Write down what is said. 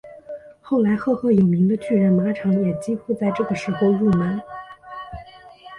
后来赫赫有名的巨人马场也几乎在这个时候入门。